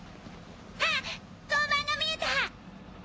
あ交番が見えた！